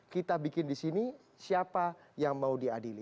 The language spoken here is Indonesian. kita bikin di sini siapa yang mau diadili